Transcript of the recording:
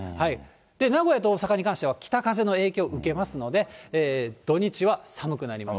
名古屋と大阪に関しては、北風の影響を受けますので、土日は寒くなります。